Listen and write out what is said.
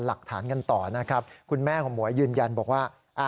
หลักฐานกันต่อนะครับคุณแม่ของหมวยยืนยันบอกว่า